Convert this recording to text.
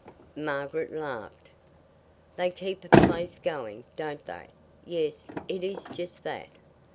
Margaret laughed. "They keep a place going, don't they? Yes, it is just that."